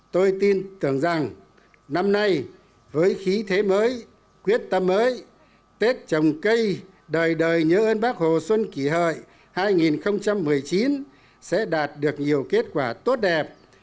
tôi tin tưởng rằng năm nay với khí thế mới quyết tâm mới tết trồng cây đời đời nhớ ơn bác hồ xuân kỷ hợi hai nghìn một mươi chín sẽ đạt được nhiều kết quả tốt đẹp